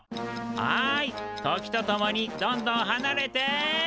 はい時と共にどんどんはなれて。